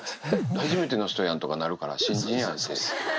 初めての人やんとかなるから、新人やんって。